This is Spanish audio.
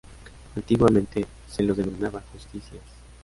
Antiguamente se los denominaba justicias.